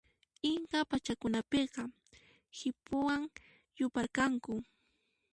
Inca pachakunapiqa khipuwan yuparqanku.